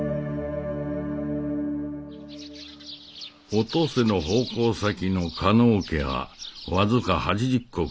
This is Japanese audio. お登勢の奉公先の加納家は僅か８０石じゃが